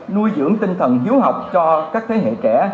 nuôi dưỡng tinh thần hiếu học cho các thế hệ trẻ